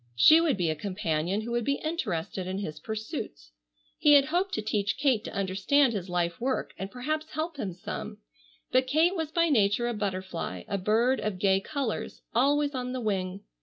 She would be a companion who would be interested in his pursuits. He had hoped to teach Kate to understand his life work and perhaps help him some, but Kate was by nature a butterfly, a bird of gay colors, always on the wing.